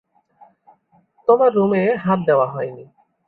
তোমার রুমে হাত দেওয়া হয়নি।